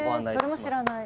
それは知らない。